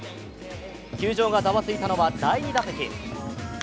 球場がざわついたのは第２打席。